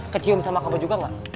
kecium sama kamu juga nggak